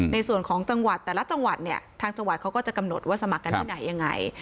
ในส่วนของจังหวัดแต่ละจังหวัดเนี่ยทางจังหวัดเขาก็จะกำหนดว่าสมัครกันที่ไหนยังไง